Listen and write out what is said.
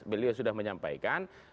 beliau sudah menyampaikan